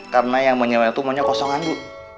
karena yang mau nyewanya itu maunya kosongan bu